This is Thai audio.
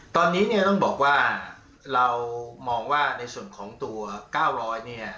ตอนนี้เนี่ยต้องบอกว่าเรามองว่าในส่วนของตัว๙๐๐เนี่ย